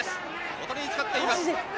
おとりに使っています。